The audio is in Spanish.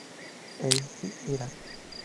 Eiji Hirata